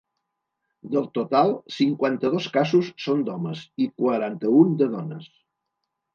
Del total, cinquanta-dos casos són d’homes i quaranta-un de dones.